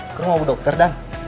aku mau dokter dan